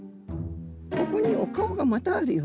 ここにお顔がまたあるよ。